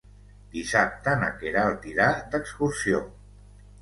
Dissabte na Queralt irà d'excursió.